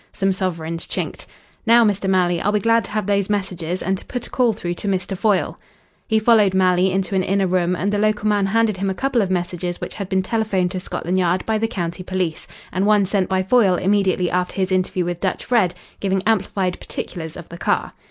Some sovereigns chinked. "Now, Mr. Malley, I'll be glad to have those messages, and to put a call through to Mr. Foyle." He followed Malley into an inner room, and the local man handed him a couple of messages which had been telephoned to Scotland Yard by the county police, and one sent by Foyle immediately after his interview with Dutch Fred, giving amplified particulars of the car.